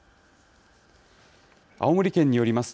青森県によります